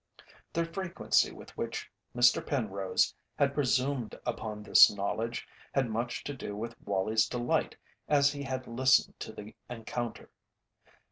The frequency with which Mr. Penrose had presumed upon this knowledge had much to do with Wallie's delight as he had listened to the encounter.